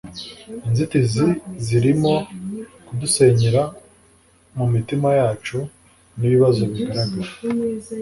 inzitizi zirimo kudusenyera mumitima yacu nibibazo bigaragara